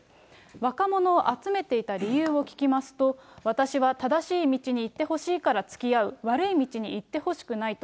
若者を集めていた理由を聞きますと、私は正しい道に行ってほしいからつきあう、悪い道に行ってほしくないと。